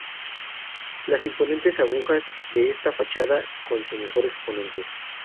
Las imponentes agujas de esta fachada son su mejor exponente